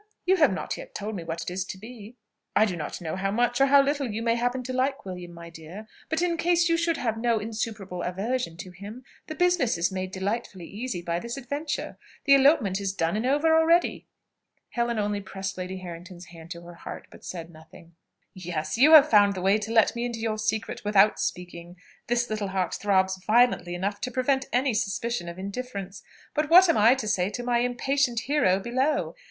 you have not yet told me what it is to be. I do not know how much, or how little, you may happen to like William, my dear; but in case you should have no insuperable aversion to him, the business is made delightfully easy by this adventure. The elopement is done and over already." Helen only pressed Lady Harrington's hand to her heart, but said nothing. "Yes, you have found the way to let me into your secret, without speaking. This little heart throbs violently enough to prevent any suspicion of indifference. But what am I to say to my impatient hero below?